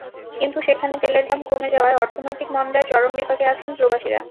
কিন্তু সেখানে তেলের দাম কমে যাওয়ায় অর্থনৈতিক মন্দায় চরম বিপাকে আছেন প্রবাসীরা।